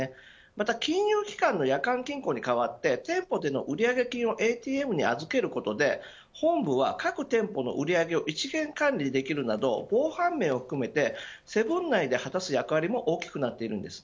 さらに金融機関の夜間金庫に代わって店舗での売り上げ金をＡＴＭに預けることで本部は各店舗の売り上げを一元管理できるなど防犯面を含めてセブン内で果たしている役割も大きくなっています。